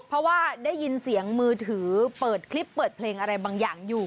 เพราะว่าได้ยินเสียงมือถือเปิดคลิปเปิดเพลงอะไรบางอย่างอยู่